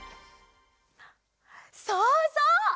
そうそう！